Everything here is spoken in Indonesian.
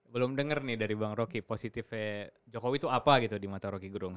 belum denger nih dari bang roky positifnya jokowi itu apa gitu di mata roky gerung